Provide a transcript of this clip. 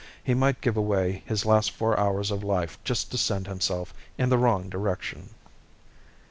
He might give away his last four hours of life just to send himself in the wrong direction.